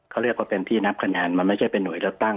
เขาเรียกว่าเป็นที่นับคะแนนมันไม่ใช่เป็นห่วยเราตั้ง